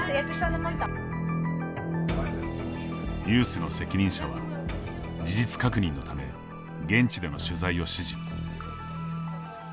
ニュースの責任者は事実確認のため現地での取材を指示。